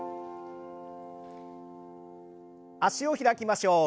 脚を開きましょう。